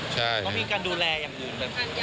มีการดูแลอย่างนึง